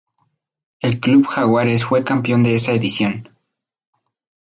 El club Jaguares fue campeón de esa edición.